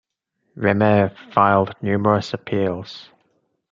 Remer filed numerous appeals.